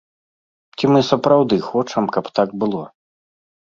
Ці мы сапраўды хочам, каб так было?